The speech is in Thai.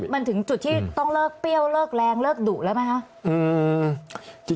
มันถึงจุดที่ต้องเลิกเปรี้ยวเลิกแรงเลิกดุแล้วไหมคะ